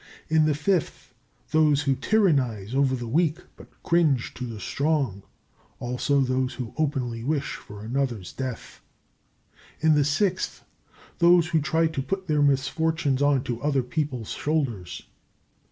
In the fifth, those who tyrannize over the weak but cringe to the strong; also those who openly wish for another's death. In the sixth, those who try to put their misfortunes on to other people's shoulders.